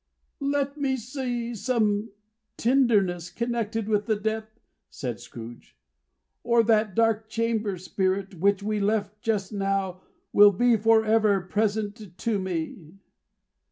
"Let me see some tenderness connected with the death," said Scrooge; "or that dark chamber, Spirit, which we left just now, will be for ever present to me."